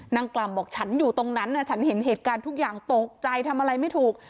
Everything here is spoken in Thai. กล่ำบอกฉันอยู่ตรงนั้นฉันเห็นเหตุการณ์ทุกอย่างตกใจทำอะไรไม่ถูก